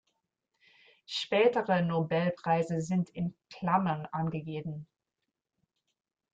Spätere Nobelpreise sind in Klammern angegeben.